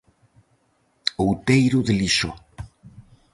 Outeiro de Lixó.